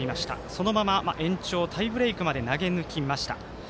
そのまま延長タイブレークまで投げぬきました。